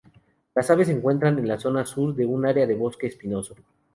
Las aves se encuentran en la zona sur de un área de bosque espinoso.